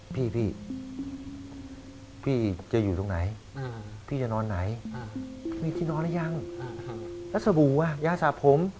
พี่พี่จะอยู่ตรงไหนพี่จะนอนไหนมีที่นอนหรือยังแล้วสบู่ว่ะยาสระผม